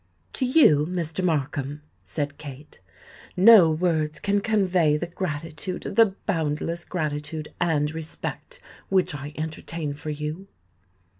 "To you, Mr. Markham," said Kate, "no words can convey the gratitude—the boundless gratitude and respect which I entertain for you."